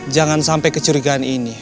jangan sampai kecurigaan ini